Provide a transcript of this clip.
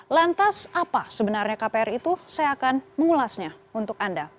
lantas apa sebenarnya kpr itu saya akan mengulasnya untuk anda